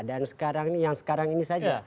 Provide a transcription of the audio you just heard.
dan sekarang ini yang sekarang ini saja